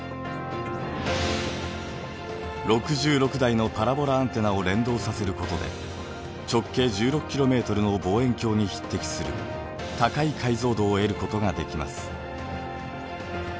６６台のパラボラアンテナを連動させることで直径１６ｋｍの望遠鏡に匹敵する高い解像度を得ることができます。